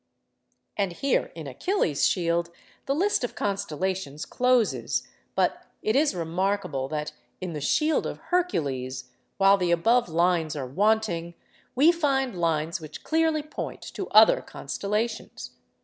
And here, in Achilles' shield, the list of constellations closes; but it is remarkable that in the 'Shield of Hercules,' while the above lines are wanting, we find lines which clearly point to other constellations.